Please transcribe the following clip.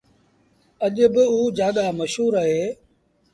اڄ با اُجآڳآ مشهور اهي